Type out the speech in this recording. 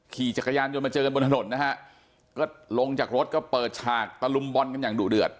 ขี่จักรยานยนต์มาเจอกันบนถนนนะฮะก็ลงจากรถก็เปิดฉากตะลุมบอลกันอย่างดุเดือด